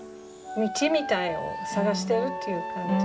道みたいなのを探してるっていう感じ。